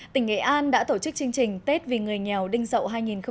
tỉnh nghệ an đã tổ chức chương trình tết vì người nghèo đinh dậu hai nghìn một mươi bảy